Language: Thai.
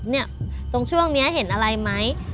เนี่ยตรงช่วงนี้เห็นอะไรไหม